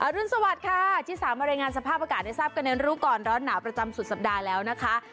รุนสวัสดิ์ค่ะที่สามารถรายงานสภาพอากาศให้ทราบกันในรู้ก่อนร้อนหนาวประจำสุดสัปดาห์แล้วนะคะ